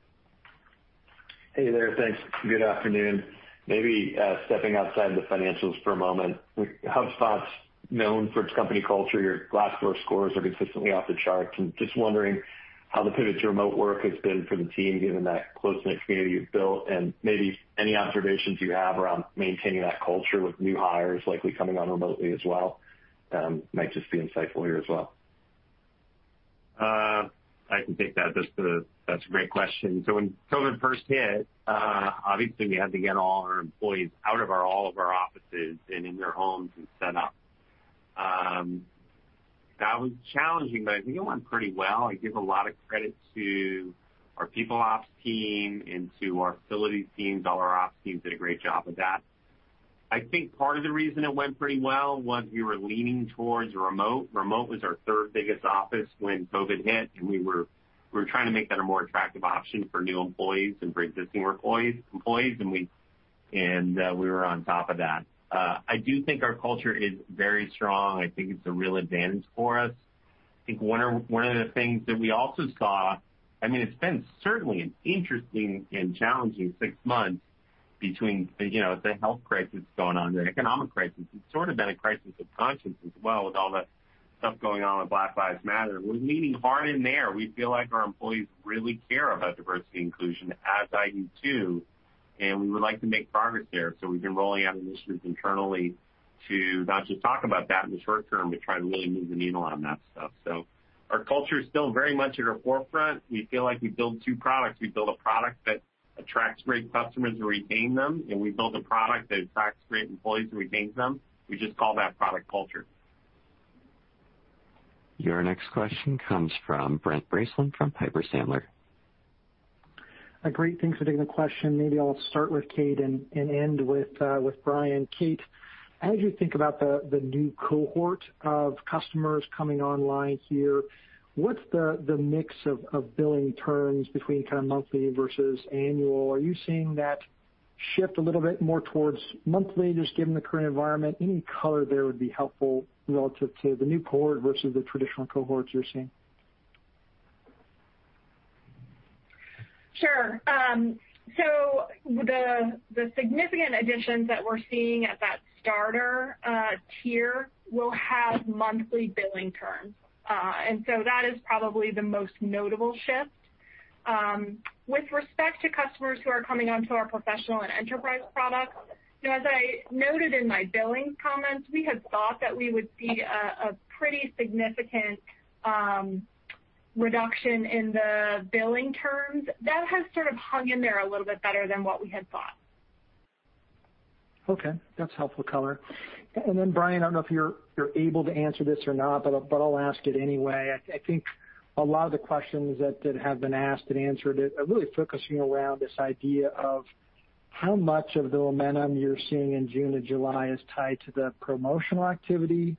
Hey there. Thanks. Good afternoon. Maybe stepping outside of the financials for a moment. HubSpot's known for its company culture. Your Glassdoor scores are consistently off the charts. Just wondering how the pivot to remote work has been for the team, given that close-knit community you've built, and maybe any observations you have around maintaining that culture with new hires likely coming on remotely as well, might just be insightful here as well. I can take that. That's a great question. When COVID first hit, obviously we had to get all our employees out of all of our offices and in their homes and set up. That was challenging, but I think it went pretty well. I give a lot of credit to our people ops team and to our facilities teams. All our ops teams did a great job with that. I think part of the reason it went pretty well was we were leaning towards remote. Remote was our third biggest office when COVID hit, and we were trying to make that a more attractive option for new employees and for existing employees. We were on top of that. I do think our culture is very strong. I think it's a real advantage for us. I think one of the things that we also saw, I mean, it's been certainly an interesting and challenging six months between the health crisis going on, the economic crisis. It's sort of been a crisis of conscience as well with all the stuff going on with Black Lives Matter. We're leaning hard in there. We feel like our employees really care about diversity inclusion, as I do, too. We would like to make progress there. We've been rolling out initiatives internally to not just talk about that in the short term, but try to really move the needle on that stuff. Our culture is still very much at our forefront. We feel like we build two products. We build a product that attracts great customers and retain them. We build a product that attracts great employees and retains them. We just call that product culture. Your next question comes from Brent Bracelin from Piper Sandler. Great. Thanks for taking the question. Maybe I'll start with Kate and end with Brian. Kate, as you think about the new cohort of customers coming online here, what's the mix of billing terms between kind of monthly versus annual? Are you seeing that shift a little bit more towards monthly, just given the current environment? Any color there would be helpful relative to the new cohort versus the traditional cohorts you're seeing. Sure. The significant additions that we're seeing at that starter tier will have monthly billing terms. That is probably the most notable shift. With respect to customers who are coming onto our professional and enterprise products, as I noted in my billing comments, we had thought that we would see a pretty significant reduction in the billing terms. That has sort of hung in there a little bit better than what we had thought. Okay, that's helpful color. Then Brian, I don't know if you're able to answer this or not, but I'll ask it anyway. I think a lot of the questions that have been asked and answered are really focusing around this idea of how much of the momentum you're seeing in June and July is tied to the promotional activity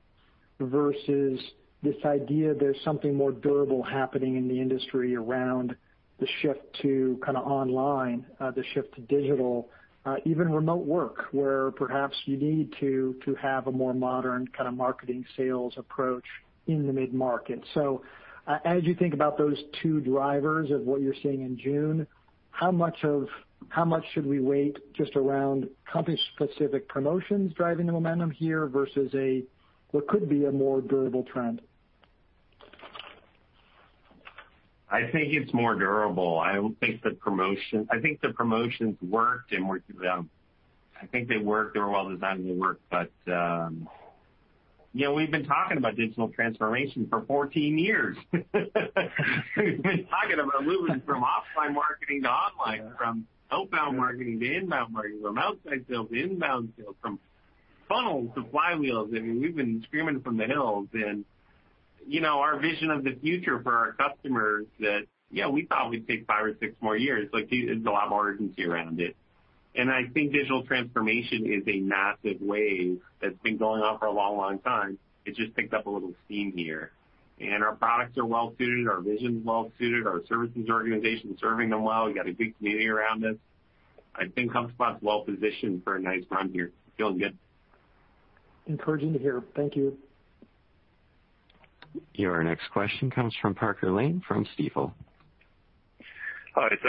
versus this idea there's something more durable happening in the industry around the shift to kind of online, the shift to digital, even remote work, where perhaps you need to have a more modern kind of marketing sales approach in the mid-market. As you think about those two drivers of what you're seeing in June, how much should we weight just around company specific promotions driving the momentum here versus a, what could be a more durable trend? I think it's more durable. I think the promotions worked and were, I think they were well-designed and they worked. We've been talking about digital transformation for 14 years. We've been talking about moving from offline marketing to online, from outbound marketing to inbound marketing, from outside sales to inbound sales, from funnels to flywheels. I mean, we've been screaming from the hills, and our vision of the future for our customers that, yeah, we thought would take five or six more years. Like, there's a lot more urgency around it. I think digital transformation is a massive wave that's been going on for a long time. It just picked up a little steam here. Our products are well suited, our vision's well suited, our services organization is serving them well. We got a big community around us. I think HubSpot's well-positioned for a nice run here. Feeling good. Encouraging to hear. Thank you. Your next question comes from Parker Lane from Stifel. Hi, it's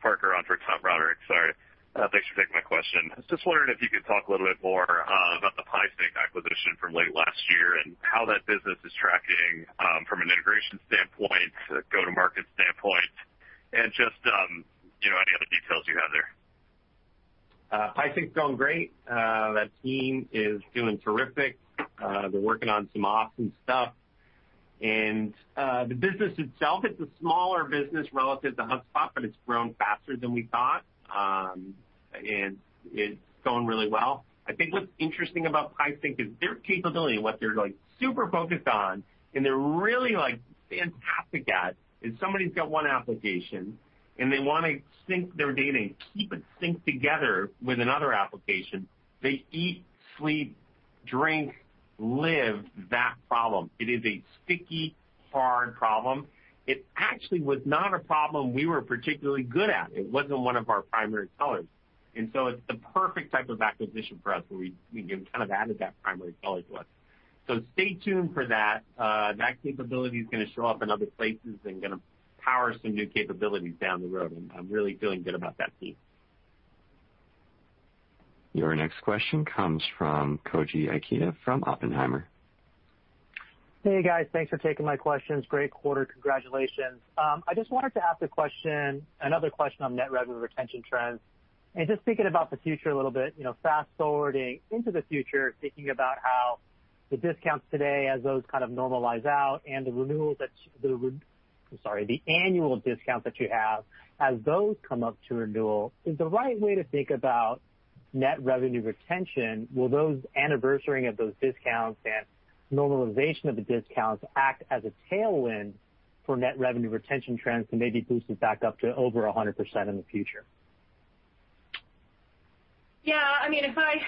Parker on for Thomas Roderick, sorry. Thanks for taking my question. I was just wondering if you could talk a little bit more about the PieSync acquisition from late last year and how that business is tracking from an integration standpoint, go-to-market standpoint, and just any other details you have there. PieSync's going great. That team is doing terrific. They're working on some awesome stuff. The business itself, it's a smaller business relative to HubSpot, but it's grown faster than we thought. It's going really well. I think what's interesting about PieSync is their capability and what they're super focused on, and they're really fantastic at, is somebody's got one application, and they want to sync their data and keep it synced together with another application. They eat, sleep-Drink lives that problem. It is a sticky, hard problem. It actually was not a problem we were particularly good at. It wasn't one of our primary colors. It's the perfect type of acquisition for us, where we kind of added that primary color to us. Stay tuned for that. That capability's going to show up in other places and going to power some new capabilities down the road. I'm really feeling good about that team. Your next question comes from Koji Ikeda from Oppenheimer. Hey, guys. Thanks for taking my questions. Great quarter. Congratulations. I just wanted to ask another question on net revenue retention trends. Just thinking about the future a little bit, fast-forwarding into the future, thinking about how the discounts today, as those kind of normalize out, and the annual discount that you have, as those come up to renewal, is the right way to think about net revenue retention, will those anniversarying of those discounts and normalization of the discounts act as a tailwind for net revenue retention trends to maybe boost it back up to over 100% in the future? Yeah. If I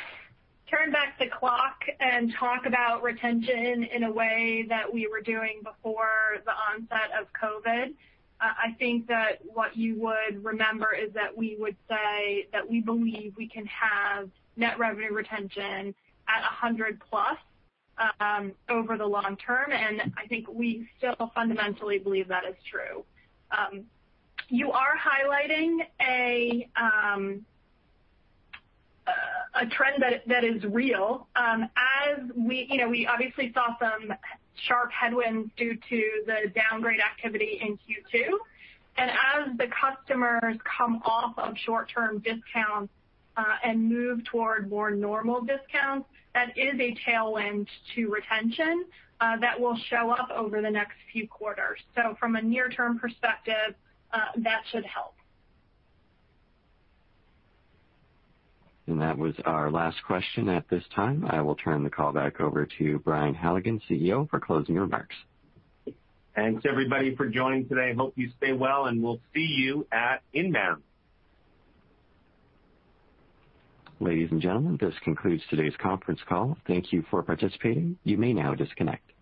turn back the clock and talk about retention in a way that we were doing before the onset of COVID, I think that what you would remember is that we would say that we believe we can have net revenue retention at 100+ over the long term. I think we still fundamentally believe that is true. You are highlighting a trend that is real. We obviously saw some sharp headwinds due to the downgrade activity in Q2. As the customers come off of short-term discounts, and move toward more normal discounts, that is a tailwind to retention, that will show up over the next few quarters. From a near-term perspective, that should help. That was our last question at this time. I will turn the call back over to Brian Halligan, CEO, for closing remarks. Thanks, everybody, for joining today. Hope you stay well, and we'll see you at INBOUND. Ladies and gentlemen, this concludes today's conference call. Thank you for participating. You may now disconnect.